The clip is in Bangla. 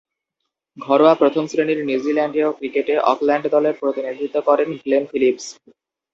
ঘরোয়া প্রথম-শ্রেণীর নিউজিল্যান্ডীয় ক্রিকেটে অকল্যান্ড দলের প্রতিনিধিত্ব করেন গ্লেন ফিলিপস।